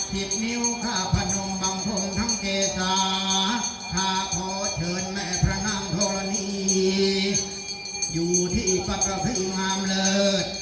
บนิ้วข้าพนมบังทงทั้งเกษาข้าขอเชิญแม่พระนางธรณีอยู่ที่ปักกระพึงงามเลิศ